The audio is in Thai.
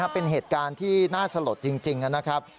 เป็นเหตุการณ์ที่น่าสลดจริงนะครับ